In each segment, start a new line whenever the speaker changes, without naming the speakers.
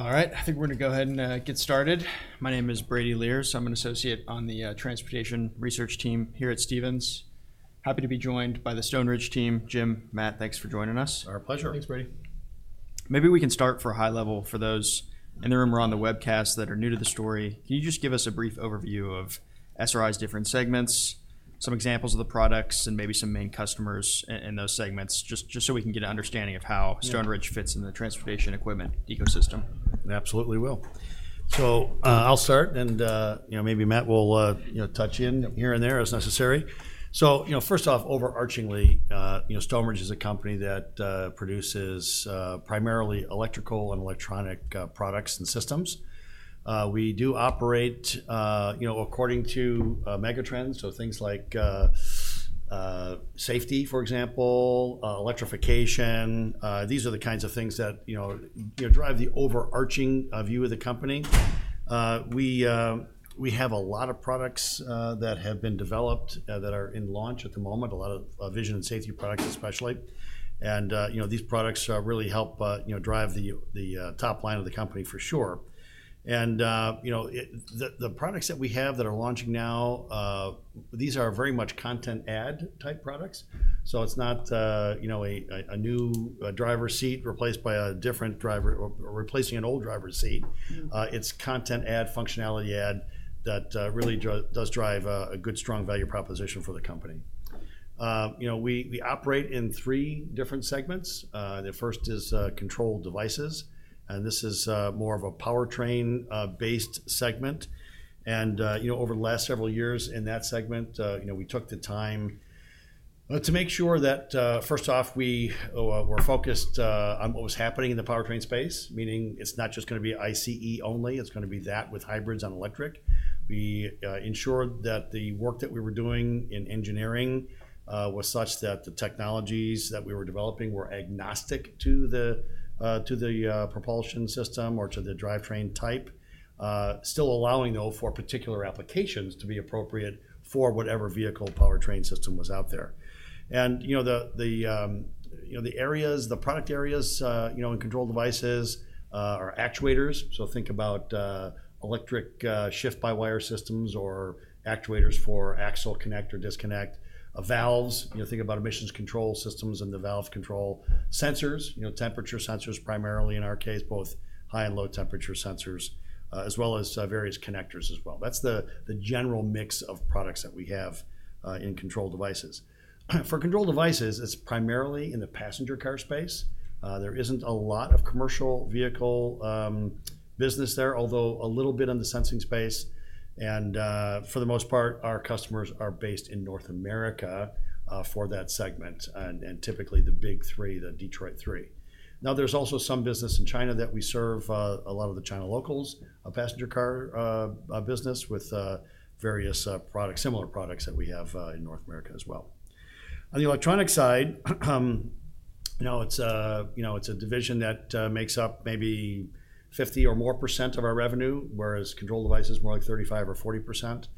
All right, I think we're going to go ahead and get started. My name is Brady Lierz, so I'm an associate on the Transportation Research Team here at Stephens. Happy to be joined by the Stoneridge team, Jim, Matt, thanks for joining us.
Our pleasure.
Thanks, Brady.
Maybe we can start at a high level for those in the room or on the webcast that are new to the story. Can you just give us a brief overview of SRI's different segments, some examples of the products, and maybe some main customers in those segments, just so we can get an understanding of how Stoneridge fits in the transportation equipment ecosystem?
Absolutely will. So, I'll start, and maybe Matt will touch in here and there as necessary. So first off, overarchingly, Stoneridge is a company that produces primarily electrical and electronic products and systems. We do operate according to megatrends, so things like safety, for example, electrification. These are the kinds of things that drive the overarching view of the company. We have a lot of products that have been developed that are in launch at the moment, a lot of vision and safety products especially. And these products really help drive the top line of the company for sure. And the products that we have that are launching now, these are very much content-ad type products. So, it's not a new driver's seat replaced by a different driver or replacing an old driver's seat. It's content-ad functionality-ad that really does drive a good, strong value proposition for the company. We operate in three different segments. The first is Control Devices, and this is more of a powertrain-based segment, and over the last several years in that segment, we took the time to make sure that, first off, we were focused on what was happening in the powertrain space, meaning it's not just going to be ICE only. It's going to be that with hybrids and electric. We ensured that the work that we were doing in engineering was such that the technologies that we were developing were agnostic to the propulsion system or to the drivetrain type, still allowing, though, for particular applications to be appropriate for whatever vehicle powertrain system was out there, and the product areas in Control Devices are actuators. So, think about electric shift-by-wire systems or actuators for axle connect or disconnect, valves. Think about emissions control systems and the valve control sensors, temperature sensors primarily in our case, both high and low temperature sensors, as well as various connectors as well. That's the general mix of products that we have in Control Devices. For Control Devices, it's primarily in the passenger car space. There isn't a lot of commercial vehicle business there, although a little bit in the sensing space. And for the most part, our customers are based in North America for that segment, and typically the Big Three, the Detroit Three. Now, there's also some business in China that we serve, a lot of the China locals, a passenger car business with various similar products that we have in North America as well. On the Electronics side, it's a division that makes up maybe 50% or more of our revenue, whereas controlled devices are more like 35% or 40%.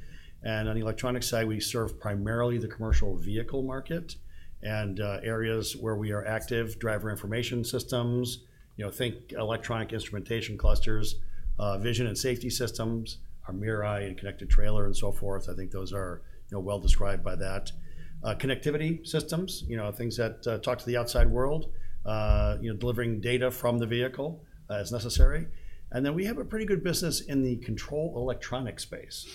And on the Electronics side, we serve primarily the commercial vehicle market and areas where we are active, driver information systems. Think electronic instrumentation clusters, vision and safety systems, our MirrorEye and connected trailer, and so forth. I think those are well described by that. Connectivity systems, things that talk to the outside world, delivering data from the vehicle as necessary. And then we have a pretty good business in the control electronics space.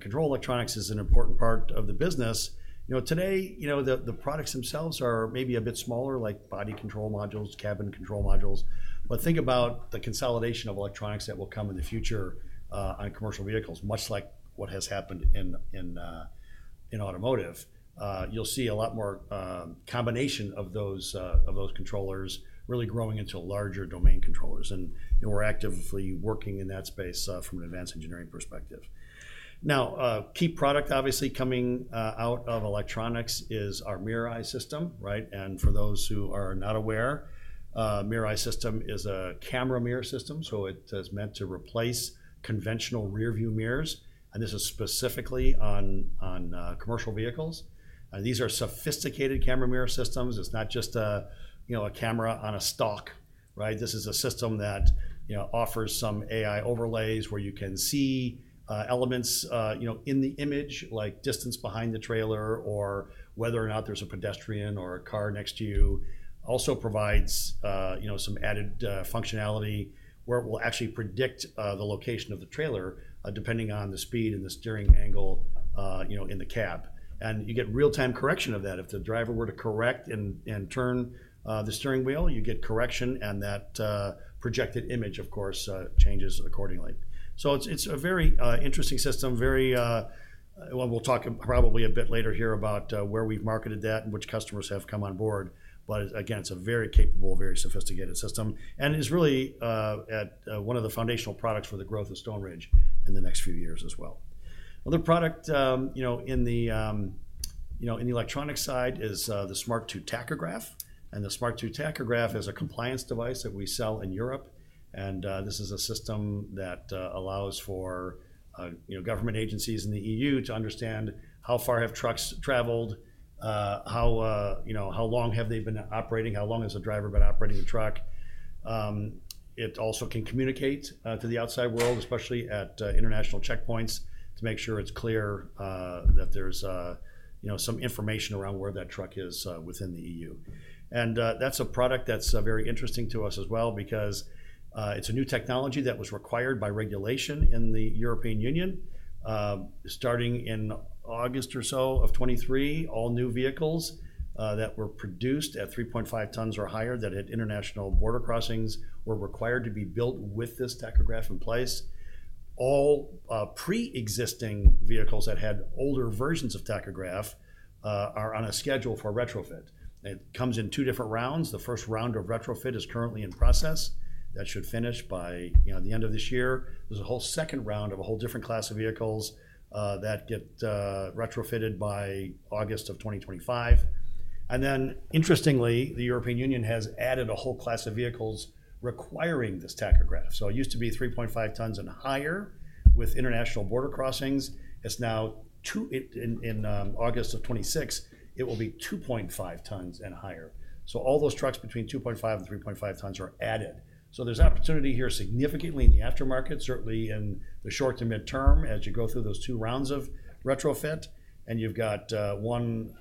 Control electronics is an important part of the business. Today, the products themselves are maybe a bit smaller, like body control modules, cabin control modules. But think about the consolidation of electronics that will come in the future on commercial vehicles, much like what has happened in automotive. You'll see a lot more combination of those controllers really growing into larger domain controllers. And we're actively working in that space from an advanced engineering perspective. Now, a key product obviously coming out of electronics is our MirrorEye system. And for those who are not aware, MirrorEye system is a camera mirror system. So it is meant to replace conventional rearview mirrors. And this is specifically on commercial vehicles. And these are sophisticated camera mirror systems. It's not just a camera on a stalk. This is a system that offers some AI overlays where you can see elements in the image, like distance behind the trailer or whether or not there's a pedestrian or a car next to you. Also provides some added functionality where it will actually predict the location of the trailer depending on the speed and the steering angle in the cab. And you get real-time correction of that. If the driver were to correct and turn the steering wheel, you get correction, and that projected image, of course, changes accordingly. So it's a very interesting system. We'll talk probably a bit later here about where we've marketed that and which customers have come on board. But again, it's a very capable, very sophisticated system. And it's really one of the foundational products for the growth of Stoneridge in the next few years as well. Another product in the Electronics side is the Smart 2 Tachograph. And the Smart 2 Tachograph is a compliance device that we sell in Europe. And this is a system that allows for government agencies in the EU to understand how far have trucks traveled, how long have they been operating, how long has a driver been operating the truck. It also can communicate to the outside world, especially at international checkpoints, to make sure it's clear that there's some information around where that truck is within the EU. And that's a product that's very interesting to us as well because it's a new technology that was required by regulation in the European Union. Starting in August or so of 2023, all new vehicles that were produced at 3.5 tons or higher that had international border crossings were required to be built with this tachograph in place. All pre-existing vehicles that had older versions of tachograph are on a schedule for retrofit. It comes in two different rounds. The first round of retrofit is currently in process. That should finish by the end of this year. There's a whole second round of a whole different class of vehicles that get retrofitted by August of 2025. And then, interestingly, the European Union has added a whole class of vehicles requiring this tachograph. So it used to be 3.5 tons and higher with international border crossings. It's now, in August of 2026, it will be 2.5 tons and higher. So all those trucks between 2.5 and 3.5 tons are added. So there's opportunity here significantly in the aftermarket, certainly in the short to midterm as you go through those two rounds of retrofit. And you've got one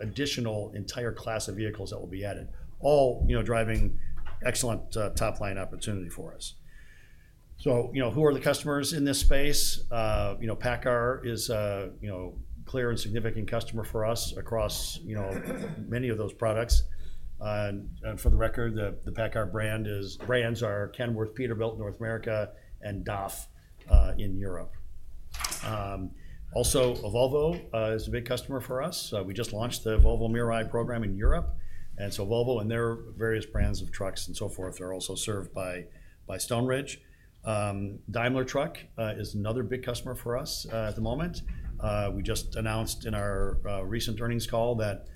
additional entire class of vehicles that will be added, all driving excellent top-line opportunity for us. So who are the customers in this space? PACCAR is a clear and significant customer for us across many of those products. For the record, the PACCAR brands are Kenworth, Peterbilt in North America, and DAF in Europe. Volvo is a big customer for us. We just launched the Volvo MirrorEye program in Europe. Volvo and their various brands of trucks and so forth are also served by Stoneridge. Daimler Truck is another big customer for us at the moment. We just announced in our recent earnings call that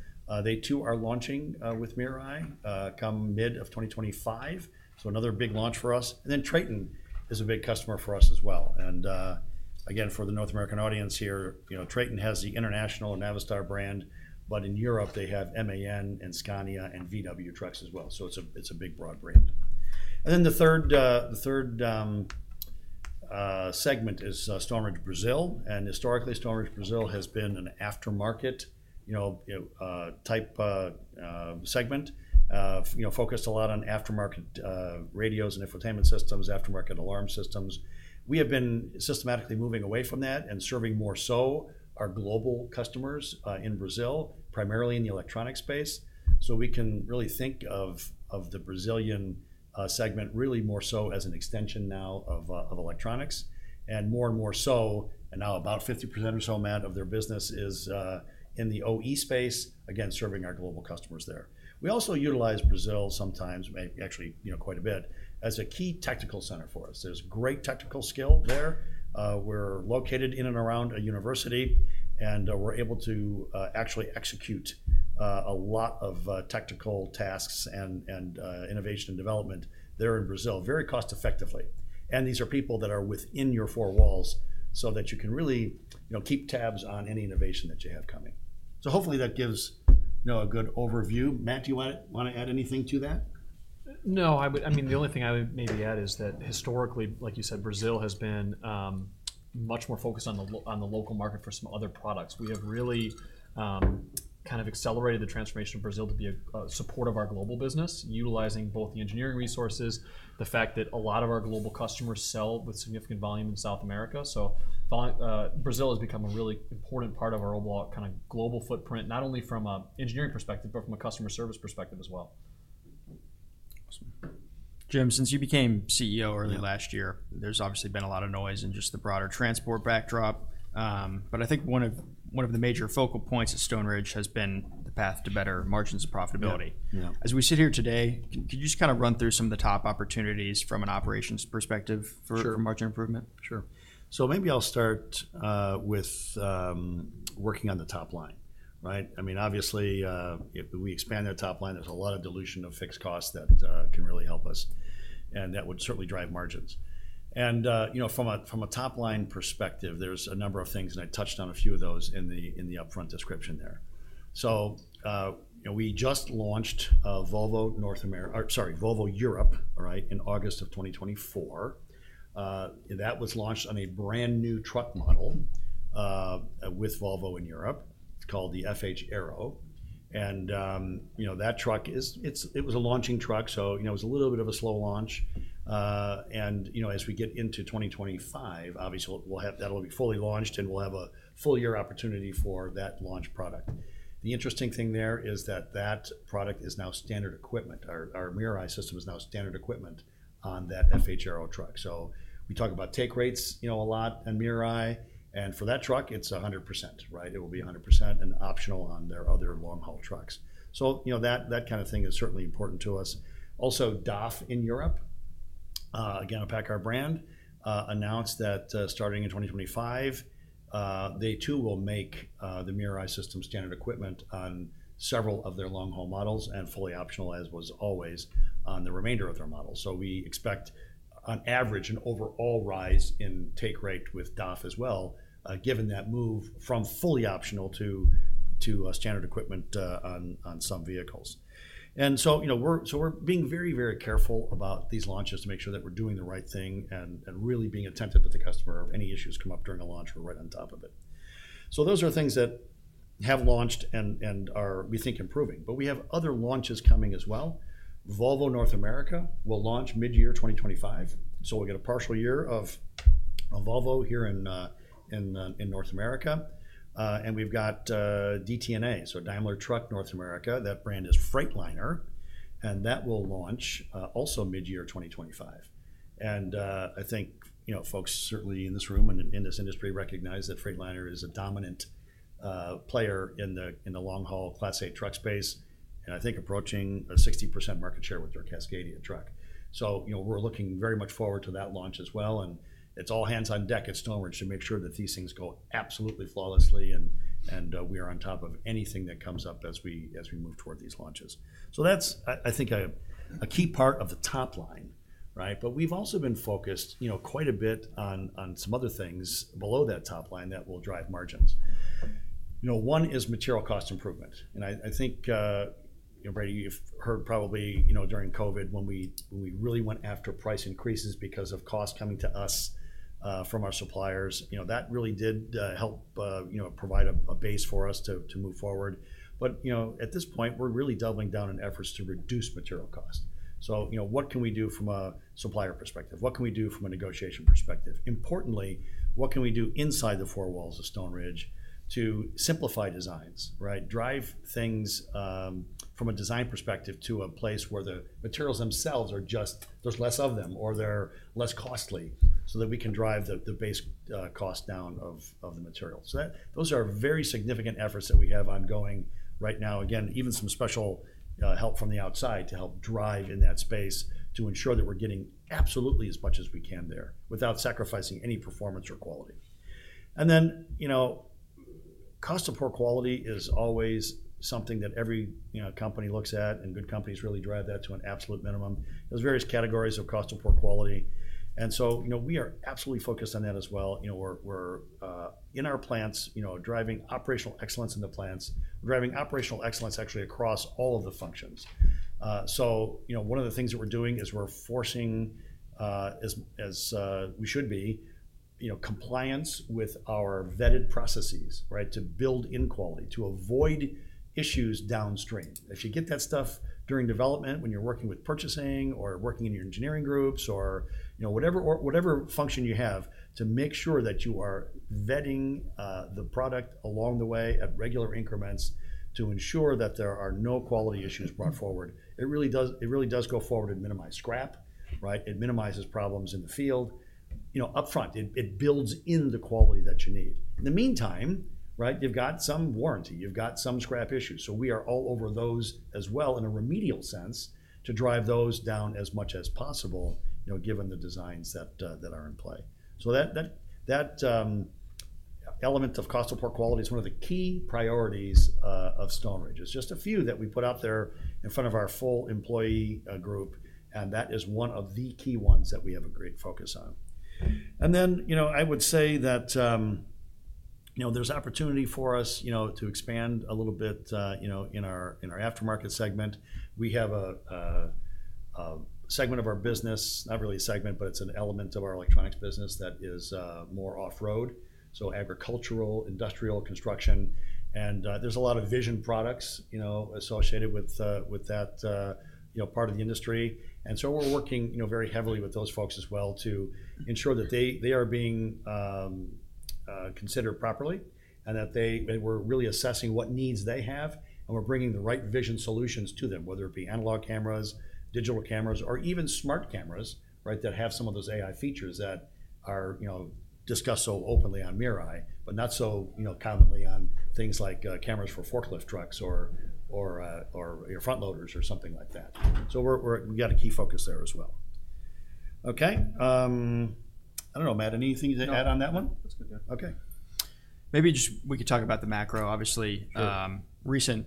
they too are launching with MirrorEye come mid-2025. Another big launch for us. TRATON is a big customer for us as well. For the North American audience here, TRATON has the International Navistar brand, but in Europe, they have MAN and Scania and VW trucks as well. It's a big broad brand. And then the third segment is Stoneridge Brazil. And historically, Stoneridge Brazil has been an aftermarket type segment, focused a lot on aftermarket radios and infotainment systems, aftermarket alarm systems. We have been systematically moving away from that and serving more so our global customers in Brazil, primarily in the electronic space. So we can really think of the Brazilian segment really more so as an extension now of electronics. And more and more so, and now about 50% or so, Matt, of their business is in the OE space, again, serving our global customers there. We also utilize Brazil sometimes, actually quite a bit, as a key technical center for us. There's great technical skill there. We're located in and around a university, and we're able to actually execute a lot of technical tasks and innovation and development there in Brazil very cost-effectively. And these are people that are within your four walls so that you can really keep tabs on any innovation that you have coming. So hopefully that gives a good overview. Matt, do you want to add anything to that?
No, I mean, the only thing I would maybe add is that historically, like you said, Brazil has been much more focused on the local market for some other products. We have really kind of accelerated the transformation of Brazil to be a support of our global business, utilizing both the engineering resources, the fact that a lot of our global customers sell with significant volume in South America. So Brazil has become a really important part of our overall kind of global footprint, not only from an engineering perspective, but from a customer service perspective as well.
Jim, since you became CEO early last year, there's obviously been a lot of noise in just the broader transport backdrop. But I think one of the major focal points at Stoneridge has been the path to better margins of profitability. As we sit here today, could you just kind of run through some of the top opportunities from an operations perspective for margin improvement?
Sure. So maybe I'll start with working on the top line. I mean, obviously, if we expand our top line, there's a lot of dilution of fixed costs that can really help us, and that would certainly drive margins. And from a top-line perspective, there's a number of things, and I touched on a few of those in the upfront description there. So we just launched Volvo North America, sorry, Volvo Europe in August of 2024. That was launched on a brand new truck model with Volvo in Europe. It's called the FH Aero. And that truck, it was a launching truck, so it was a little bit of a slow launch. And as we get into 2025, obviously, that will be fully launched, and we'll have a full year opportunity for that launch product. The interesting thing there is that that product is now standard equipment. Our MirrorEye system is now standard equipment on that FH Aero truck, so we talk about take rates a lot on MirrorEye. And for that truck, it's 100%. It will be 100% and optional on their other long-haul trucks, so that kind of thing is certainly important to us. Also, DAF in Europe, again, a PACCAR brand, announced that starting in 2025, they too will make the MirrorEye system standard equipment on several of their long-haul models and fully optional, as was always, on the remainder of their models, so we expect, on average, an overall rise in take rate with DAF as well, given that move from fully optional to standard equipment on some vehicles, and so we're being very, very careful about these launches to make sure that we're doing the right thing and really being attentive to the customer. Any issues come up during a launch, we're right on top of it. So those are things that have launched and are, we think, improving. But we have other launches coming as well. Volvo North America will launch mid-year 2025. So we'll get a partial year of Volvo here in North America. And we've got DTNA, so Daimler Truck North America. That brand is Freightliner, and that will launch also mid-year 2025. And I think folks certainly in this room and in this industry recognize that Freightliner is a dominant player in the long-haul Class A truck space, and I think approaching a 60% market share with their Cascadia truck. So we're looking very much forward to that launch as well. And it's all hands on deck at Stoneridge to make sure that these things go absolutely flawlessly and we are on top of anything that comes up as we move toward these launches. So that's, I think, a key part of the top line. But we've also been focused quite a bit on some other things below that top line that will drive margins. One is material cost improvement. And I think, Brady, you've heard probably during COVID when we really went after price increases because of costs coming to us from our suppliers. That really did help provide a base for us to move forward. But at this point, we're really doubling down on efforts to reduce material costs. So what can we do from a supplier perspective? What can we do from a negotiation perspective? Importantly, what can we do inside the four walls of Stoneridge to simplify designs, drive things from a design perspective to a place where the materials themselves are just, there's less of them or they're less costly so that we can drive the base cost down of the materials? So those are very significant efforts that we have ongoing right now. Again, even some special help from the outside to help drive in that space to ensure that we're getting absolutely as much as we can there without sacrificing any performance or quality. And then cost of poor quality is always something that every company looks at, and good companies really drive that to an absolute minimum. There's various categories of cost of poor quality. And so we are absolutely focused on that as well. We're in our plants driving operational excellence in the plants. We're driving operational excellence actually across all of the functions. So one of the things that we're doing is we're forcing, as we should be, compliance with our vetted processes to build in quality to avoid issues downstream. If you get that stuff during development, when you're working with purchasing or working in your engineering groups or whatever function you have, to make sure that you are vetting the product along the way at regular increments to ensure that there are no quality issues brought forward. It really does go forward and minimize scrap. It minimizes problems in the field. Upfront, it builds in the quality that you need. In the meantime, you've got some warranty. You've got some scrap issues. So we are all over those as well in a remedial sense to drive those down as much as possible given the designs that are in play. So that element of cost of poor quality is one of the key priorities of Stoneridge. It's just a few that we put out there in front of our full employee group, and that is one of the key ones that we have a great focus on. And then I would say that there's opportunity for us to expand a little bit in our aftermarket segment. We have a segment of our business, not really a segment, but it's an element of our electronics business that is more off-road. So agricultural, industrial, construction. And there's a lot of vision products associated with that part of the industry. And so we're working very heavily with those folks as well to ensure that they are being considered properly and that we're really assessing what needs they have and we're bringing the right vision solutions to them, whether it be analog cameras, digital cameras, or even smart cameras that have some of those AI features that are discussed so openly on MirrorEye, but not so commonly on things like cameras for forklift trucks or front loaders or something like that. So we've got a key focus there as well. Okay. I don't know, Matt, anything to add on that one?
That's good. Yeah.
Okay.
Maybe we could just talk about the macro. Obviously, recently,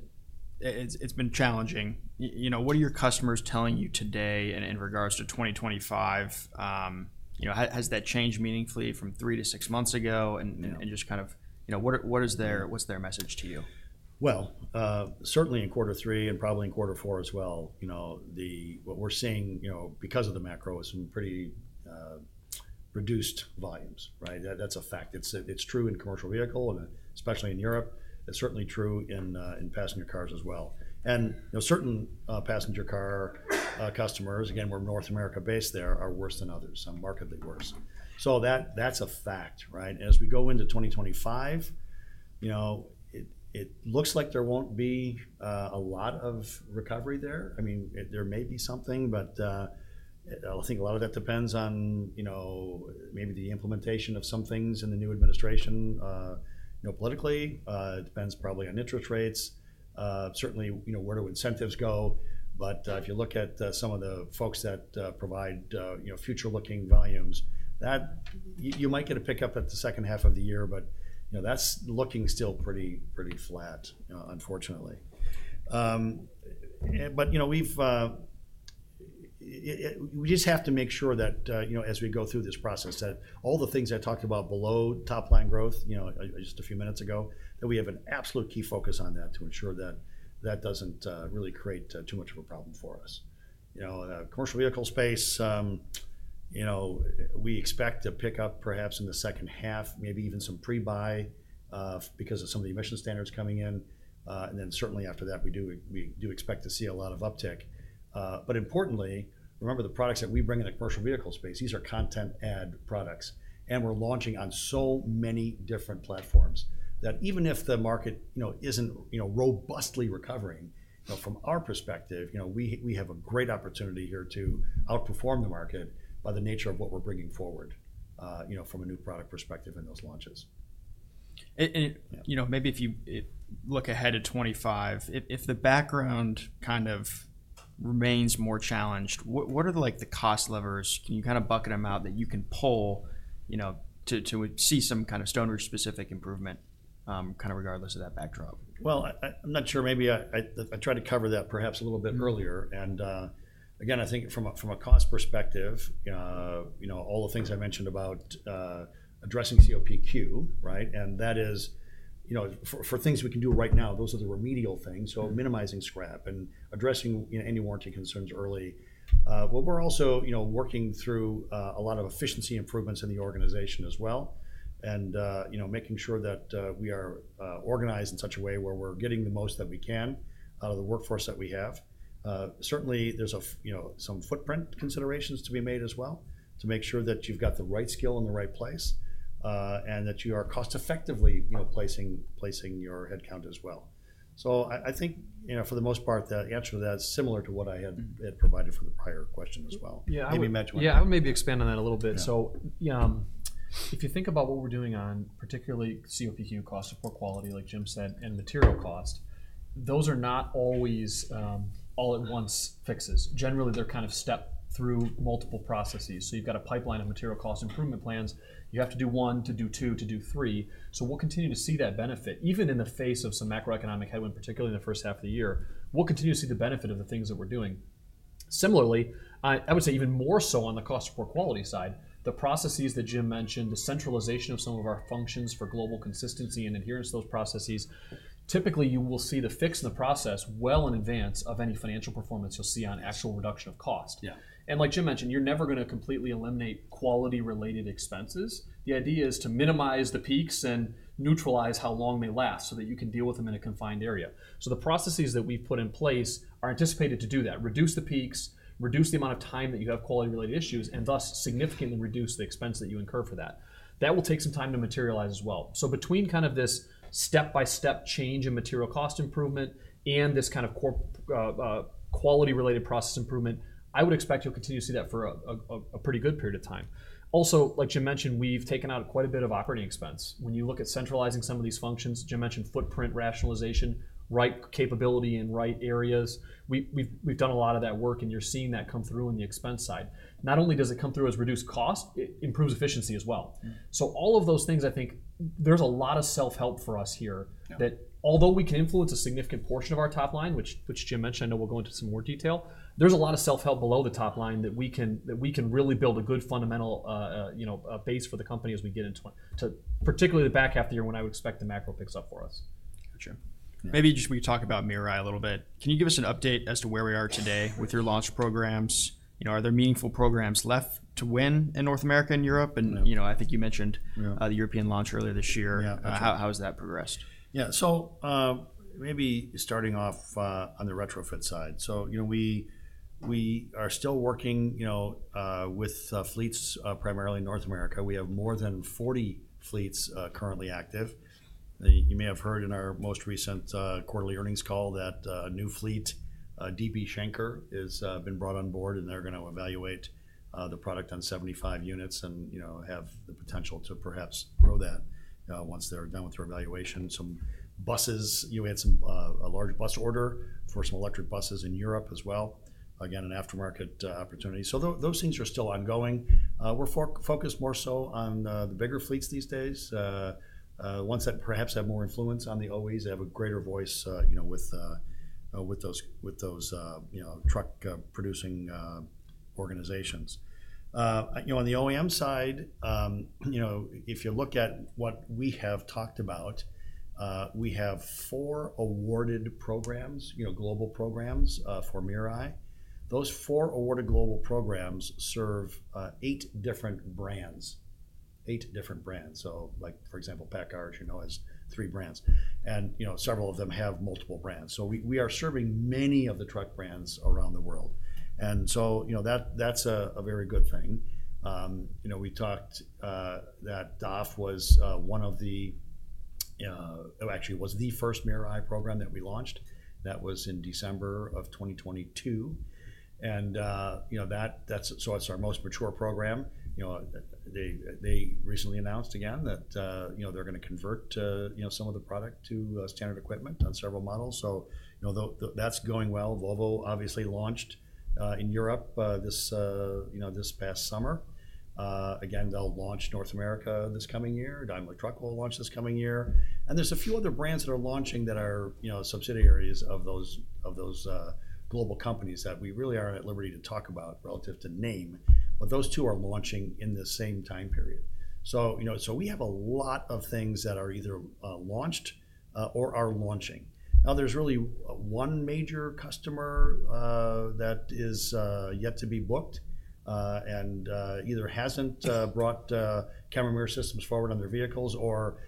it's been challenging. What are your customers telling you today in regards to 2025? Has that changed meaningfully from three to six months ago? And just kind of what's their message to you?
Well, certainly in quarter three and probably in quarter four as well, what we're seeing because of the macro is some pretty reduced volumes. That's a fact. It's true in commercial vehicles, especially in Europe. It's certainly true in passenger cars as well. Certain passenger car customers, again, we're North America-based there, are worse than others, some markedly worse. That's a fact. As we go into 2025, it looks like there won't be a lot of recovery there. I mean, there may be something, but I think a lot of that depends on maybe the implementation of some things in the new administration. Politically, it depends probably on interest rates. Certainly, where do incentives go? If you look at some of the folks that provide future-looking volumes, you might get a pickup at the second half of the year, but that's looking still pretty flat, unfortunately. But we just have to make sure that as we go through this process, that all the things I talked about, below top-line growth, just a few minutes ago, that we have an absolute key focus on that to ensure that that doesn't really create too much of a problem for us. Commercial vehicle space, we expect a pickup perhaps in the second half, maybe even some pre-buy because of some of the emission standards coming in, and then certainly after that, we do expect to see a lot of uptick. But importantly, remember the products that we bring in the commercial vehicle space. These are content-ad products, and we're launching on so many different platforms that even if the market isn't robustly recovering, from our perspective, we have a great opportunity here to outperform the market by the nature of what we're bringing forward from a new product perspective in those launches.
Maybe if you look ahead to 2025, if the background kind of remains more challenged, what are the cost levers? Can you kind of bucket them out that you can pull to see some kind of Stoneridge-specific improvement kind of regardless of that backdrop?
I'm not sure. Maybe I tried to cover that perhaps a little bit earlier, and again, I think from a cost perspective, all the things I mentioned about addressing COPQ, and that is for things we can do right now, those are the remedial things, so minimizing scrap and addressing any warranty concerns early, but we're also working through a lot of efficiency improvements in the organization as well and making sure that we are organized in such a way where we're getting the most that we can out of the workforce that we have. Certainly, there's some footprint considerations to be made as well to make sure that you've got the right skill in the right place and that you are cost-effectively placing your headcount as well. I think for the most part, the answer to that is similar to what I had provided for the prior question as well.
Yeah, I'll maybe expand on that a little bit. So if you think about what we're doing on particularly COPQ, Cost of Poor Quality, like Jim said, and material cost, those are not always all-at-once fixes. Generally, they're kind of stepped through multiple processes. So you've got a pipeline of material cost improvement plans. You have to do one to do two to do three. So we'll continue to see that benefit, even in the face of some macroeconomic headwind, particularly in the first half of the year. We'll continue to see the benefit of the things that we're doing. Similarly, I would say even more so on the cost of poor quality side, the processes that Jim mentioned, the centralization of some of our functions for global consistency and adherence to those processes, typically you will see the fix in the process well in advance of any financial performance you'll see on actual reduction of cost, and like Jim mentioned, you're never going to completely eliminate quality-related expenses. The idea is to minimize the peaks and neutralize how long they last so that you can deal with them in a confined area, so the processes that we've put in place are anticipated to do that, reduce the peaks, reduce the amount of time that you have quality-related issues, and thus significantly reduce the expense that you incur for that. That will take some time to materialize as well. So between kind of this step-by-step change in material cost improvement and this kind of quality-related process improvement, I would expect you'll continue to see that for a pretty good period of time. Also, like Jim mentioned, we've taken out quite a bit of operating expense. When you look at centralizing some of these functions, Jim mentioned footprint rationalization, right capability in right areas. We've done a lot of that work, and you're seeing that come through in the expense side. Not only does it come through as reduced cost, it improves efficiency as well. So all of those things, I think there's a lot of self-help for us here. That although we can influence a significant portion of our top line, which Jim mentioned, I know we'll go into some more detail. There's a lot of self-help below the top line that we can really build a good fundamental base for the company as we get into particularly the back half of the year when I would expect the macro picks up for us. Gotcha.
Maybe just let's talk about MirrorEye a little bit. Can you give us an update as to where we are today with your launch programs? Are there meaningful programs left to win in North America and Europe? And I think you mentioned the European launch earlier this year. How has that progressed?
Yeah. So maybe starting off on the retrofit side. So we are still working with fleets primarily in North America. We have more than 40 fleets currently active. You may have heard in our most recent quarterly earnings call that a new fleet, DB Schenker, has been brought on board, and they're going to evaluate the product on 75 units and have the potential to perhaps grow that once they're done with their evaluation. Some buses, we had a large bus order for some electric buses in Europe as well. Again, an aftermarket opportunity. So those things are still ongoing. We're focused more so on the bigger fleets these days. Ones that perhaps have more influence on the OEs have a greater voice with those truck-producing organizations. On the OEM side, if you look at what we have talked about, we have four awarded programs, global programs for MirrorEye. Those four awarded global programs serve eight different brands. Eight different brands. So for example, PACCAR has three brands, and several of them have multiple brands. So we are serving many of the truck brands around the world. And so that's a very good thing. We talked that DAF was one of the, actually, was the first MirrorEye program that we launched. That was in December of 2022. And that's our most mature program. They recently announced again that they're going to convert some of the product to standard equipment on several models. So that's going well. Volvo, obviously, launched in Europe this past summer. Again, they'll launch North America this coming year. Daimler Truck will launch this coming year. And there's a few other brands that are launching that are subsidiaries of those global companies that we really aren't at liberty to talk about relative to name, but those two are launching in the same time period. So we have a lot of things that are either launched or are launching. Now, there's really one major customer that is yet to be booked and either hasn't brought Camera Mirror systems forward on their vehicles or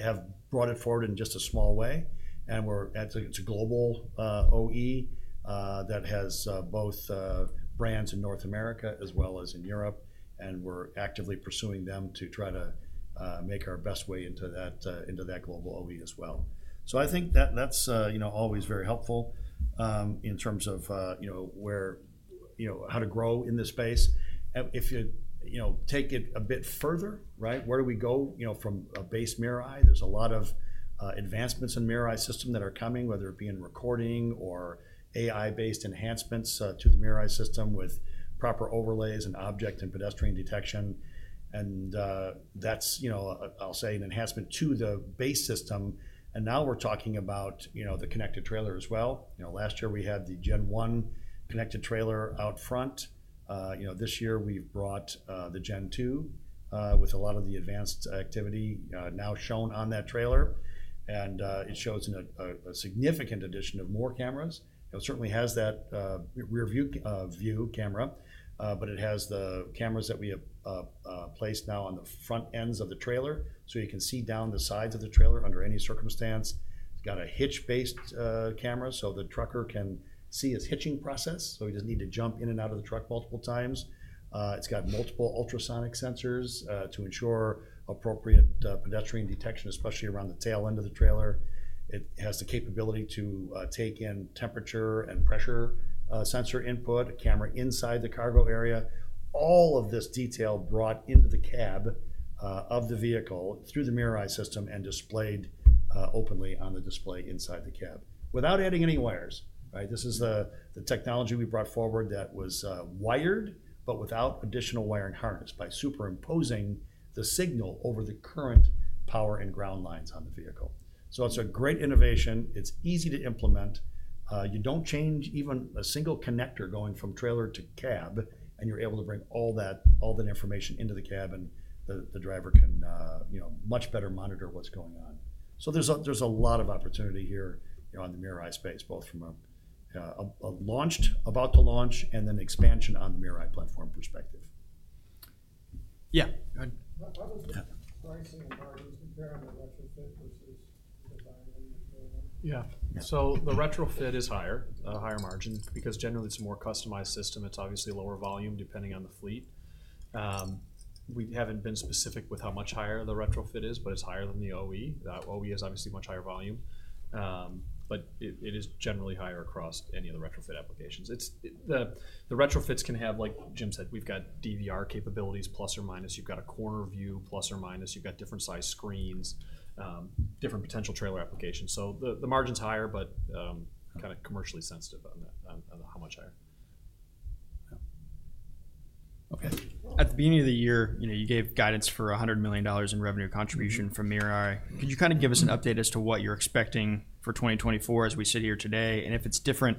have brought it forward in just a small way. And it's a global OE that has both brands in North America as well as in Europe. And we're actively pursuing them to try to make our best way into that global OE as well. So I think that's always very helpful in terms of how to grow in this space. If you take it a bit further, where do we go from a base MirrorEye? There's a lot of advancements in MirrorEye system that are coming, whether it be in recording or AI-based enhancements to the MirrorEye system with proper overlays and object and pedestrian detection. And that's, I'll say, an enhancement to the base system. And now we're talking about the connected trailer as well. Last year, we had the Gen 1 connected trailer out front. This year, we've brought the Gen 2 with a lot of the advanced activity now shown on that trailer. And it shows a significant addition of more cameras. It certainly has that rear view camera, but it has the cameras that we have placed now on the front ends of the trailer so you can see down the sides of the trailer under any circumstance. It's got a hitch-based camera so the trucker can see his hitching process. So he doesn't need to jump in and out of the truck multiple times. It's got multiple ultrasonic sensors to ensure appropriate pedestrian detection, especially around the tail end of the trailer. It has the capability to take in temperature and pressure sensor input, a camera inside the cargo area. All of this detail brought into the cab of the vehicle through the MirrorEye system and displayed openly on the display inside the cab without adding any wires. This is the technology we brought forward that was wired, but without additional wiring harness by superimposing the signal over the current power and ground lines on the vehicle. So it's a great innovation. It's easy to implement. You don't change even a single connector going from trailer to cab, and you're able to bring all that information into the cab, and the driver can much better monitor what's going on. So there's a lot of opportunity here on the MirrorEye space, both from a launched, about to launch, and then expansion on the MirrorEye platform perspective.
Yeah. Pricing and margins compared on the retrofit versus the buy-in?
Yeah. So the retrofit is higher, a higher margin because generally it's a more customized system. It's obviously lower volume depending on the fleet. We haven't been specific with how much higher the retrofit is, but it's higher than the OE. The OE has obviously much higher volume, but it is generally higher across any of the retrofit applications. The retrofits can have, like Jim said, we've got DVR capabilities plus or minus. You've got a corner view plus or minus. You've got different size screens, different potential trailer applications. So the margin's higher, but kind of commercially sensitive on how much higher. Okay. At the beginning of the year, you gave guidance for $100 million in revenue contribution from MirrorEye. Could you kind of give us an update as to what you're expecting for 2024 as we sit here today? If it's different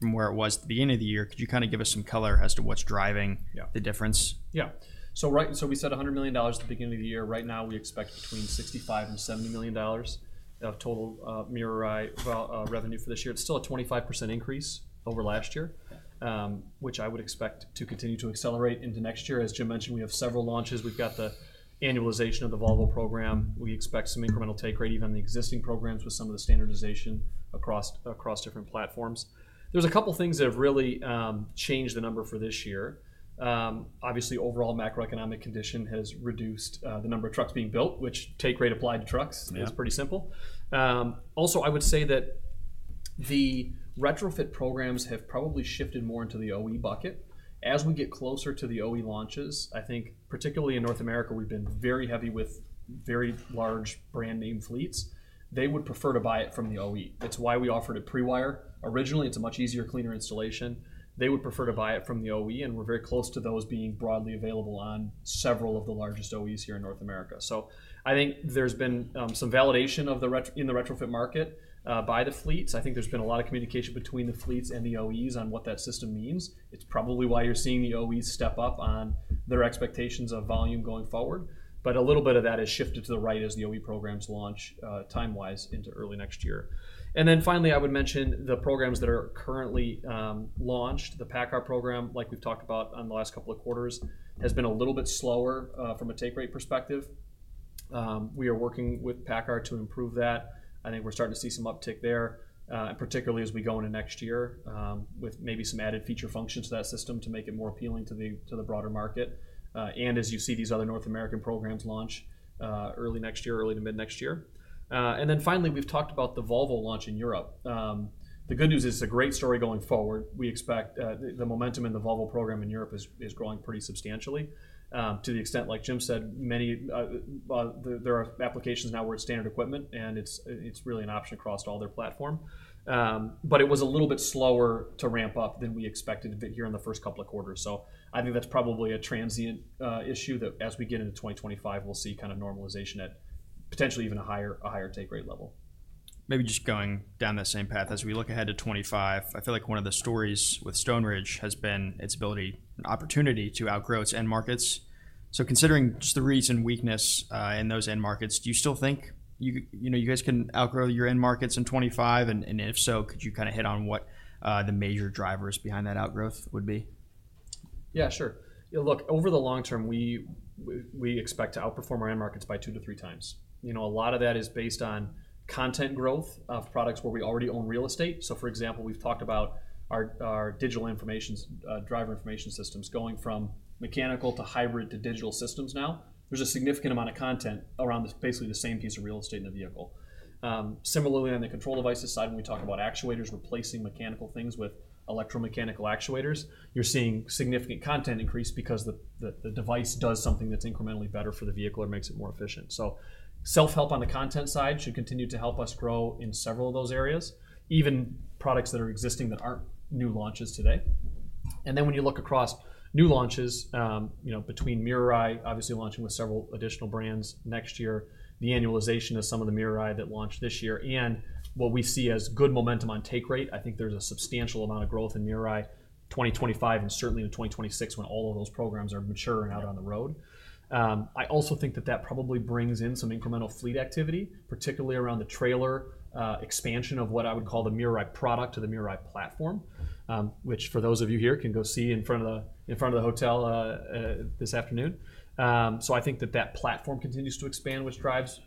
from where it was at the beginning of the year, could you kind of give us some color as to what's driving the difference? Yeah. So we said $100 million at the beginning of the year. Right now, we expect between $65 and $70 million of total MirrorEye revenue for this year. It's still a 25% increase over last year, which I would expect to continue to accelerate into next year. As Jim mentioned, we have several launches. We've got the annualization of the Volvo program. We expect some incremental take rate even on the existing programs with some of the standardization across different platforms. There's a couple of things that have really changed the number for this year. Obviously, overall macroeconomic condition has reduced the number of trucks being built, which take rate applied to trucks is pretty simple. Also, I would say that the retrofit programs have probably shifted more into the OE bucket. As we get closer to the OE launches, I think particularly in North America, we've been very heavy with very large brand name fleets. They would prefer to buy it from the OE. It's why we offered it pre-wire. Originally, it's a much easier, cleaner installation. They would prefer to buy it from the OE, and we're very close to those being broadly available on several of the largest OEs here in North America. So I think there's been some validation in the retrofit market by the fleets. I think there's been a lot of communication between the fleets and the OEs on what that system means. It's probably why you're seeing the OEs step up on their expectations of volume going forward. But a little bit of that has shifted to the right as the OE programs launch time-wise into early next year. And then finally, I would mention the programs that are currently launched. The PACCAR program, like we've talked about in the last couple of quarters, has been a little bit slower from a take rate perspective. We are working with PACCAR to improve that. I think we're starting to see some uptick there, particularly as we go into next year with maybe some added feature functions to that system to make it more appealing to the broader market. And as you see these other North American programs launch early next year, early to mid next year. And then finally, we've talked about the Volvo launch in Europe. The good news is it's a great story going forward. We expect the momentum in the Volvo program in Europe is growing pretty substantially to the extent, like Jim said, there are applications now where it's standard equipment, and it's really an option across all their platform. But it was a little bit slower to ramp up than we expected a bit here in the first couple of quarters. So I think that's probably a transient issue that as we get into 2025, we'll see kind of normalization at potentially even a higher take rate level.
Maybe just going down that same path as we look ahead to 2025, I feel like one of the stories with Stoneridge has been its ability and opportunity to outgrow its end markets. So considering just the recent weakness in those end markets, do you still think you guys can outgrow your end markets in 2025? If so, could you kind of hit on what the major drivers behind that outgrowth would be?
Yeah, sure. Look, over the long term, we expect to outperform our end markets by two to three times. A lot of that is based on content growth of products where we already own real estate. So for example, we've talked about our digital information driver information systems going from mechanical to hybrid to digital systems now. There's a significant amount of content around basically the same piece of real estate in the vehicle. Similarly, on the Control Devices side, when we talk about actuators replacing mechanical things with electromechanical actuators, you're seeing significant content increase because the device does something that's incrementally better for the vehicle or makes it more efficient. So self-help on the content side should continue to help us grow in several of those areas, even products that are existing that aren't new launches today. And then when you look across new launches between MirrorEye, obviously launching with several additional brands next year, the annualization of some of the MirrorEye that launched this year, and what we see as good momentum on take rate, I think there's a substantial amount of growth in MirrorEye 2025 and certainly in 2026 when all of those programs are mature and out on the road. I also think that that probably brings in some incremental fleet activity, particularly around the trailer expansion of what I would call the MirrorEye product to the MirrorEye platform, which for those of you here can go see in front of the hotel this afternoon. So I think that that platform continues to expand, which drives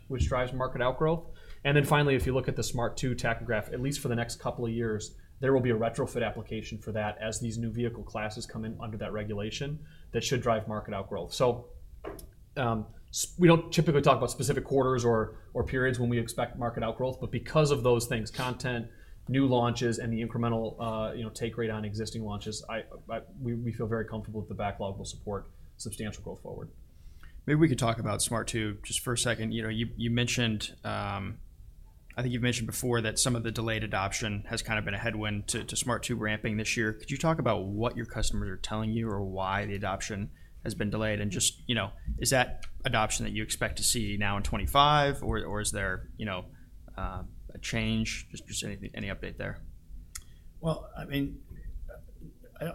market outgrowth. And then finally, if you look at the Smart 2 tachograph, at least for the next couple of years, there will be a retrofit application for that as these new vehicle classes come in under that regulation that should drive market outgrowth. So we don't typically talk about specific quarters or periods when we expect market outgrowth, but because of those things, content, new launches, and the incremental take rate on existing launches, we feel very comfortable with the backlog will support substantial growth forward.
Maybe we could talk about Smart 2 just for a second. I think you've mentioned before that some of the delayed adoption has kind of been a headwind to Smart 2 ramping this year. Could you talk about what your customers are telling you or why the adoption has been delayed? And just is that adoption that you expect to see now in 2025, or is there a change? Just any update there?
I mean,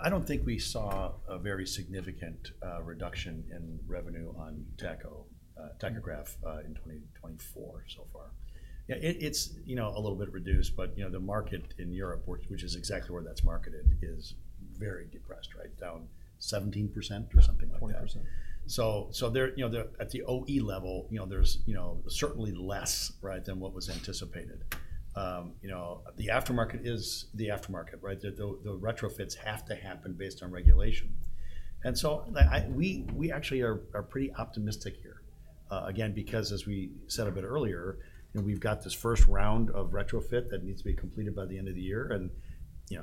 I don't think we saw a very significant reduction in revenue on tachograph in 2024 so far. Yeah, it's a little bit reduced, but the market in Europe, which is exactly where that's marketed, is very depressed, right? Down 17% or something like that.
20%.
So at the OE level, there's certainly less than what was anticipated. The aftermarket is the aftermarket, right? The retrofits have to happen based on regulation. And so we actually are pretty optimistic here. Again, because as we said a bit earlier, we've got this first round of retrofit that needs to be completed by the end of the year. And if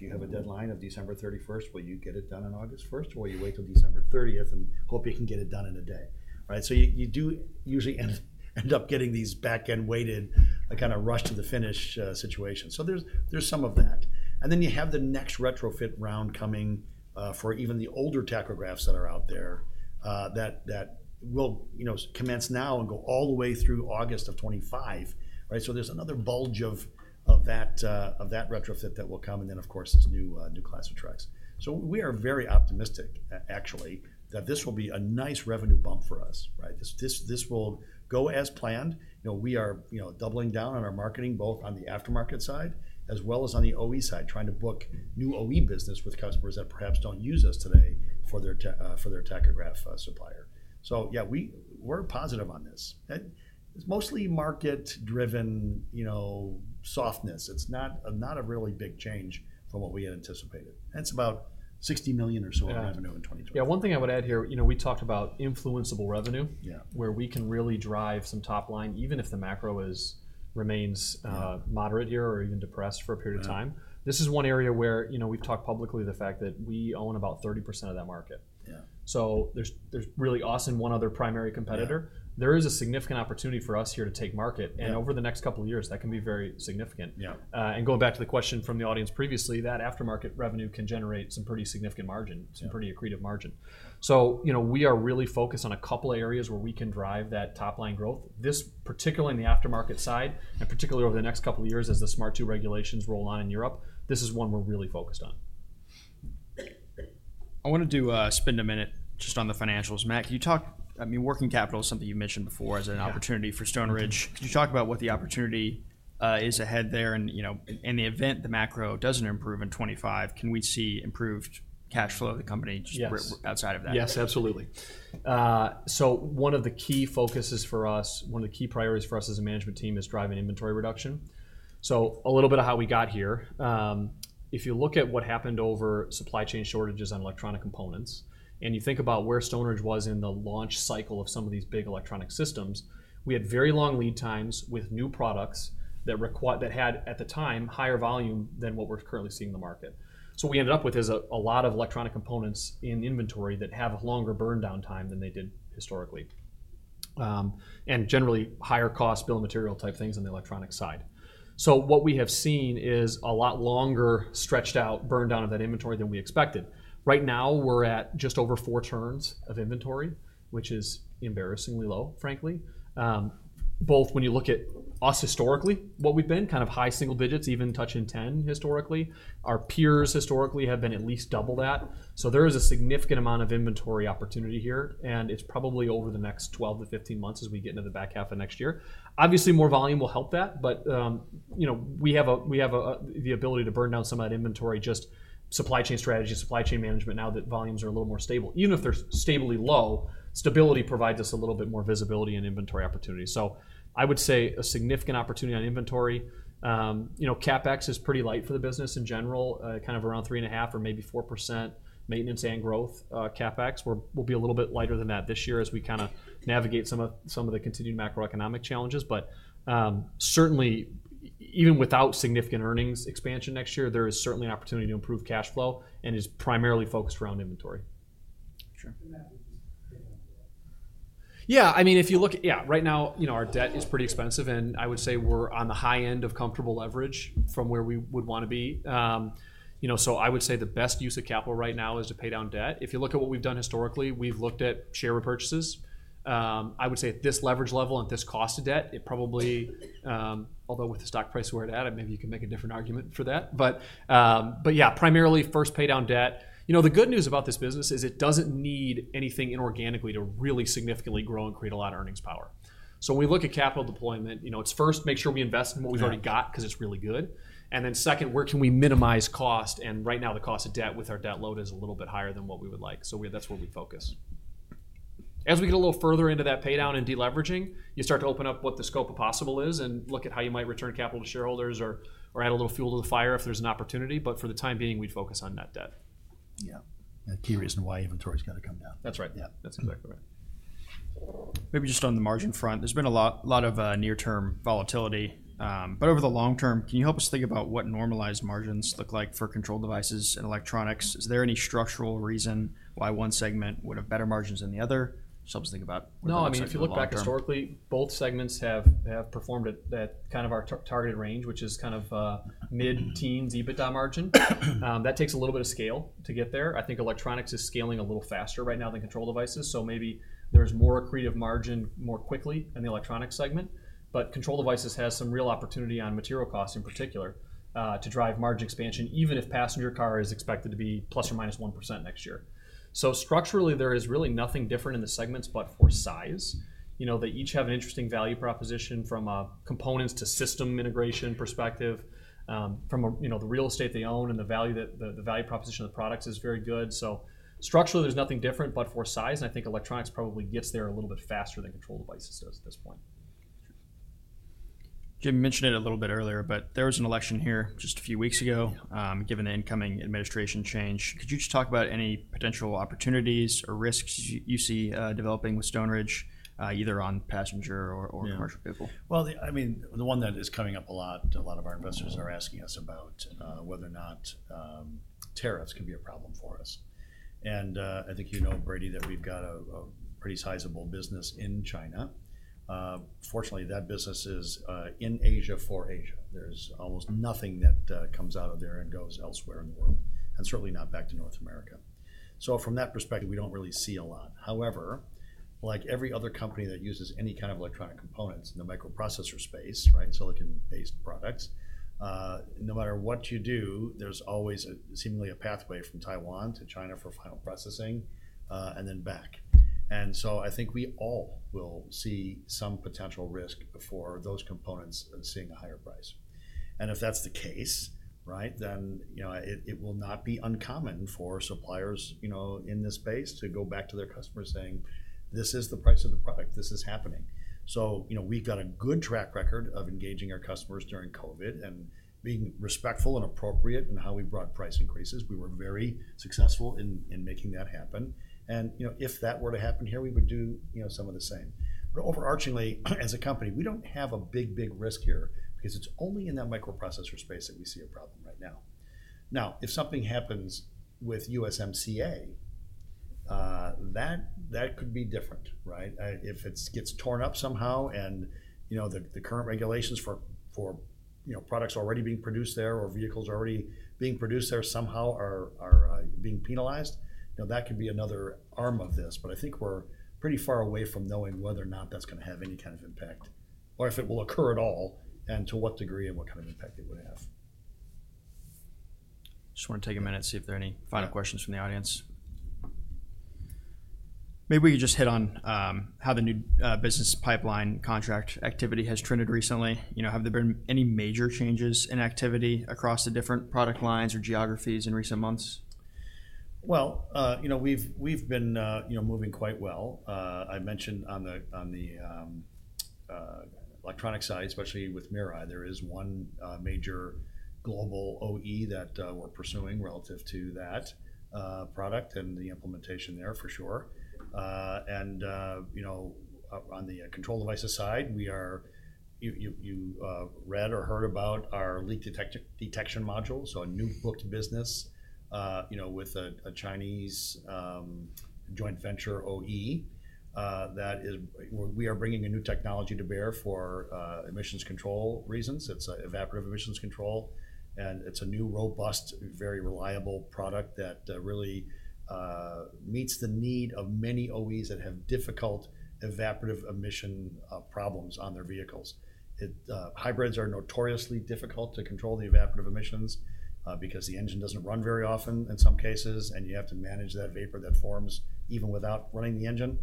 you have a deadline of December 31st, will you get it done on August 1st or will you wait till December 30th and hope you can get it done in a day? So you do usually end up getting these back-end weighted kind of rush to the finish situations. So there's some of that. And then you have the next retrofit round coming for even the older tachographs that are out there that will commence now and go all the way through August of 2025. There's another bulge of that retrofit that will come. Then, of course, this new class of trucks. We are very optimistic, actually, that this will be a nice revenue bump for us. This will go as planned. We are doubling down on our marketing, both on the aftermarket side as well as on the OE side, trying to book new OE business with customers that perhaps don't use us today for their tachograph supplier. Yeah, we're positive on this. It's mostly market-driven softness. It's not a really big change from what we had anticipated. That's about $60 million or so in revenue in 2024.
Yeah. One thing I would add here, we talked about influenceable revenue where we can really drive some top line, even if the macro remains moderate here or even depressed for a period of time. This is one area where we've talked publicly the fact that we own about 30% of that market. So there's really just one other primary competitor. There is a significant opportunity for us here to take market. And over the next couple of years, that can be very significant. And going back to the question from the audience previously, that aftermarket revenue can generate some pretty significant margin, some pretty accretive margin. So we are really focused on a couple of areas where we can drive that top line growth.
This particularly in the aftermarket side and particularly over the next couple of years as the Smart 2 regulations roll on in Europe, this is one we're really focused on. I want to spend a minute just on the financials. Matt, I mean, working capital is something you've mentioned before as an opportunity for Stoneridge. Could you talk about what the opportunity is ahead there? And in the event the macro doesn't improve in 2025, can we see improved cash flow of the company just outside of that?
Yes, absolutely. One of the key focuses for us, one of the key priorities for us as a management team is driving inventory reduction. A little bit of how we got here. If you look at what happened over supply chain shortages on electronic components and you think about where Stoneridge was in the launch cycle of some of these big electronic systems, we had very long lead times with new products that had at the time higher volume than what we're currently seeing in the market. What we ended up with is a lot of electronic components in inventory that have a longer burndown time than they did historically, and generally higher cost, bill of material type things on the electronic side. What we have seen is a lot longer stretched out burndown of that inventory than we expected. Right now, we're at just over four turns of inventory, which is embarrassingly low, frankly. Both when you look at us historically, what we've been kind of high single digits, even touching 10 historically. Our peers historically have been at least double that. So there is a significant amount of inventory opportunity here, and it's probably over the next 12 - 15 months as we get into the back half of next year. Obviously, more volume will help that, but we have the ability to burn down some of that inventory just supply chain strategy, supply chain management now that volumes are a little more stable. Even if they're stably low, stability provides us a little bit more visibility and inventory opportunity. So I would say a significant opportunity on inventory. CapEx is pretty light for the business in general, kind of around 3.5% or maybe 4% maintenance and growth. CapEx will be a little bit lighter than that this year as we kind of navigate some of the continued macroeconomic challenges. But certainly, even without significant earnings expansion next year, there is certainly an opportunity to improve cash flow and is primarily focused around inventory.
Sure.
Yeah. I mean, if you look, yeah, right now our debt is pretty expensive, and I would say we're on the high end of comfortable leverage from where we would want to be. So I would say the best use of capital right now is to pay down debt. If you look at what we've done historically, we've looked at share repurchases. I would say at this leverage level and at this cost of debt, it probably, although with the stock price where it at, maybe you can make a different argument for that. But yeah, primarily first pay down debt. The good news about this business is it doesn't need anything inorganically to really significantly grow and create a lot of earnings power. So when we look at capital deployment, it's first make sure we invest in what we've already got because it's really good. And then second, where can we minimize cost? And right now the cost of debt with our debt load is a little bit higher than what we would like. So that's where we focus. As we get a little further into that pay down and deleveraging, you start to open up what the scope of possible is and look at how you might return capital to shareholders or add a little fuel to the fire if there's an opportunity. But for the time being, we'd focus on net debt.
Yeah. Key reason why inventory has got to come down.
That's right.
Yeah, that's exactly right.
Maybe just on the margin front, there's been a lot of near-term volatility. But over the long term, can you help us think about what normalized margins look like for Control Devices and electronics? Is there any structural reason why one segment would have better margins than the other? Just help us think about.
No, I mean, if you look back historically, both segments have performed at kind of our targeted range, which is kind of mid-teens EBITDA margin. That takes a little bit of scale to get there. I think electronics is scaling a little faster right now than Control Devices. So maybe there's more accretive margin more quickly in the electronics segment. But Control Devices has some real opportunity on material costs in particular to drive margin expansion, even if passenger car is expected to be plus or minus 1% next year. So structurally, there is really nothing different in the segments but for size. They each have an interesting value proposition from a components to system integration perspective. From the real estate they own and the value proposition of the products is very good. So structurally, there's nothing different but for size. I think electronics probably gets there a little bit faster than Control Devices does at this point.
Jim mentioned it a little bit earlier, but there was an election here just a few weeks ago given the incoming administration change. Could you just talk about any potential opportunities or risks you see developing with Stoneridge either on passenger or commercial vehicle?
I mean, the one that is coming up a lot, a lot of our investors are asking us about whether or not tariffs can be a problem for us. And I think you know, Brady, that we've got a pretty sizable business in China. Fortunately, that business is in Asia for Asia. There's almost nothing that comes out of there and goes elsewhere in the world and certainly not back to North America. So from that perspective, we don't really see a lot. However, like every other company that uses any kind of electronic components in the microprocessor space, silicon-based products, no matter what you do, there's always seemingly a pathway from Taiwan to China for final processing and then back. And so I think we all will see some potential risk for those components and seeing a higher price. And if that's the case, then it will not be uncommon for suppliers in this space to go back to their customers saying, "This is the price of the product. This is happening." So we've got a good track record of engaging our customers during COVID and being respectful and appropriate in how we brought price increases. We were very successful in making that happen. And if that were to happen here, we would do some of the same. But overarchingly, as a company, we don't have a big, big risk here because it's only in that microprocessor space that we see a problem right now. Now, if something happens with USMCA, that could be different. If it gets torn up somehow and the current regulations for products already being produced there or vehicles already being produced there somehow are being penalized, that could be another arm of this. But I think we're pretty far away from knowing whether or not that's going to have any kind of impact or if it will occur at all and to what degree and what kind of impact it would have.
Just want to take a minute and see if there are any final questions from the audience. Maybe we could just hit on how the new business pipeline contract activity has trended recently. Have there been any major changes in activity across the different product lines or geographies in recent months?
We've been moving quite well. I mentioned on the Electronics side, especially with MirrorEye, there is one major global OE that we're pursuing relative to that product and the implementation there for sure. On the Control Devices side, you read or heard about our leak detection module. A new booked business with a Chinese joint venture OE that we are bringing a new technology to bear for emissions control reasons. It's evaporative emissions control. It's a new, robust, very reliable product that really meets the need of many OEs that have difficult evaporative emission problems on their vehicles. Hybrids are notoriously difficult to control the evaporative emissions because the engine doesn't run very often in some cases, and you have to manage that vapor that forms even without running the engine.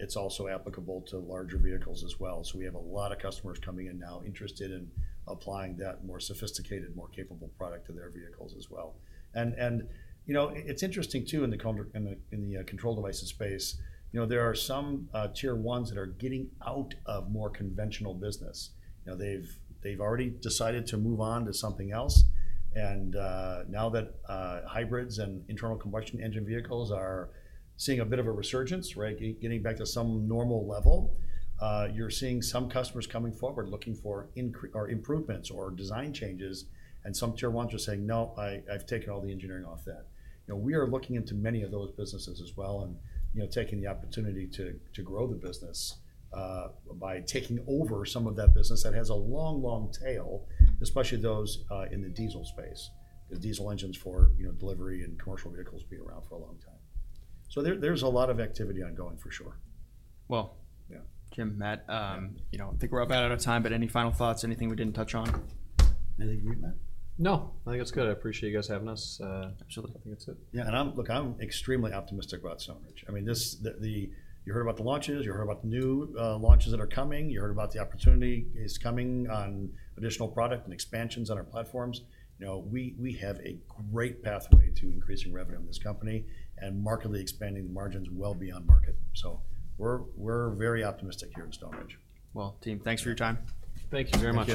It's also applicable to larger vehicles as well. So we have a lot of customers coming in now interested in applying that more sophisticated, more capable product to their vehicles as well. And it's interesting too in the Control Devices space, there are some Tier 1s that are getting out of more conventional business. They've already decided to move on to something else. And now that hybrids and internal combustion engine vehicles are seeing a bit of a resurgence, getting back to some normal level, you're seeing some customers coming forward looking for improvements or design changes. And some Tier 1s are saying, "No, I've taken all the engineering off that." We are looking into many of those businesses as well and taking the opportunity to grow the business by taking over some of that business that has a long, long tail, especially those in the diesel space, the diesel engines for delivery and commercial vehicles being around for a long time. So, there's a lot of activity ongoing for sure.
Jim, Matt, I think we're about out of time, but any final thoughts, anything we didn't touch on?
Anything you need, Matt?
No. I think it's good. I appreciate you guys having us. I think that's it.
Yeah. And look, I'm extremely optimistic about Stoneridge. I mean, you heard about the launches, you heard about the new launches that are coming, you heard about the opportunity is coming on additional product and expansions on our platforms. We have a great pathway to increasing revenue in this company and markedly expanding the margins well beyond market. So, we're very optimistic here at Stoneridge.
Team, thanks for your time.
Thank you very much.